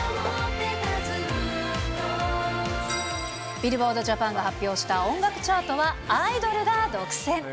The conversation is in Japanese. ビルボードジャパンが発表した音楽チャートはアイドルが独占。